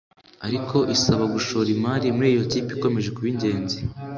ariko isaba gushora imari muri iyi kipe ikomeje kuba ingenzi